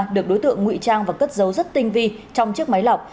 được đối tượng ngụy trang và cất dấu rất tinh vi trong chiếc máy lọc